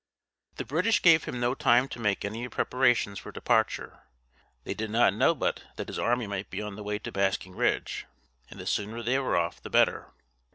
The British gave him no time to make any preparations for departure. They did not know but that his army might be on the way to Basking Ridge; and the sooner they were off, the better.